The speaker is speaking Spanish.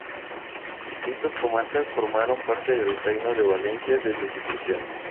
Estas comarcas formaron parte del Reino de Valencia desde su creación.